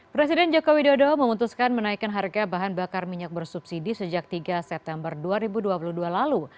presiden jokowi dodo memutuskan menaikkan harga bahan bakar minyak bersubsidi sejak tiga september dua ribu dua puluh dua lalu